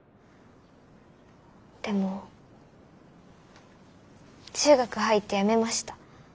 でも中学入ってやめました。